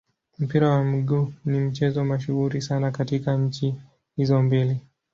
Mpira wa miguu ni mchezo mashuhuri sana katika nchi hizo mbili.